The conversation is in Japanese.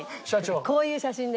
こういう写真で。